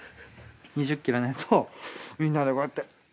２０ｋｇのやつをみんなでこうやって。